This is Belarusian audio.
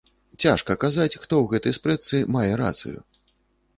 Цяжа казаць, хто ў гэтай спрэчцы мае рацыю.